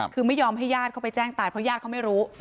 คือไม่ยอมให้ญาติเขาไปแจ้งตายเพราะญาติเขาไม่รู้